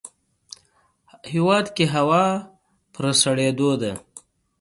هیواد کې هوا په سړیدو ده